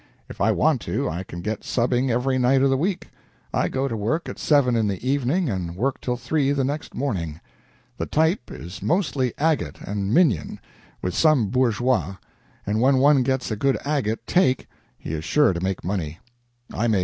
If I want to, I can get subbing every night of the week. I go to work at seven in the evening and work till three the next morning. ... The type is mostly agate and minion, with some bourgeois, and when one gets a good agate 'take,' he is sure to make money. I made $2.